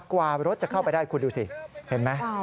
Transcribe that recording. กว่ารถจะเข้าไปได้คุณดูสิเห็นไหม